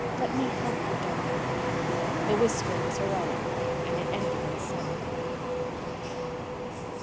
Let me help you, darling." The whisper was her own and it ended in a sob.